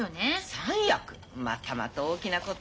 またまた大きなことを。